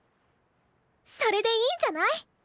それでいいんじゃない？